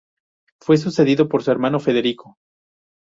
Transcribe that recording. Fue sucedido por su hermano Federico.